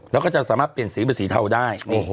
แล้วก็จะสามารถเปลี่ยนสีเป็นสีเทาได้